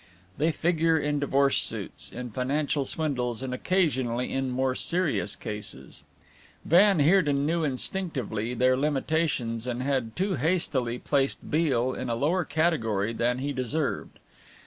They figure in divorce suits, in financial swindles and occasionally in more serious cases. Van Heerden knew instinctively their limitations and had too hastily placed Beale in a lower category than he deserved.